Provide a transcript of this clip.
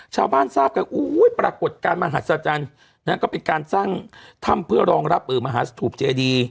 ทราบกันอุ้ยปรากฏการณ์มหัศจรรย์ก็เป็นการสร้างถ้ำเพื่อรองรับมหาสถุปเจดี